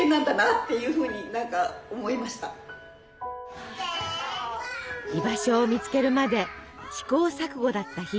あやっぱり居場所を見つけるまで試行錯誤だった日々。